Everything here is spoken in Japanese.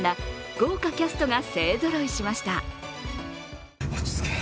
豪華キャストが勢ぞろいしました。